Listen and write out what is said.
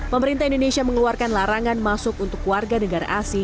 pemerintah indonesia mengeluarkan larangan masuk untuk keluarga negara indonesia